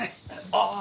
ああ！